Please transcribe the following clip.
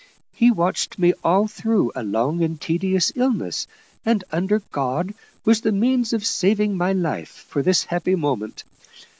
He watched me all through a long and tedious illness, and, under God, was the means of saving my life for this happy moment.